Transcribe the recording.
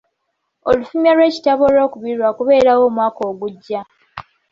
Olufulumya lw'ekitabo olwokubiri lwa kubeerawo omwaka ogujja.